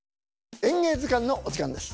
「演芸図鑑」のお時間です。